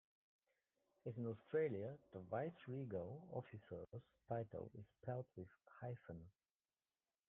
As in Australia, the vice-regal officer's title is spelled with a hyphen.